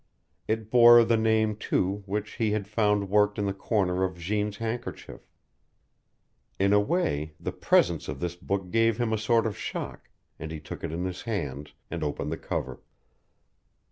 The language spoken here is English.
It bore the name, too, which he had found worked in the corner of Jeanne's handkerchief. In a way, the presence of this book gave him a sort of shock, and he took it in his hands, and opened the cover.